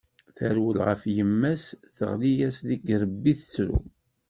Terwel ɣer yemma-s teɣli-as deg yirebbi tettru.